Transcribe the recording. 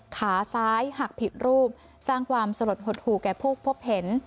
ขาซ้ายหักผิดรูปสร้างความสลดหดหู่แก่ผู้พบเห็น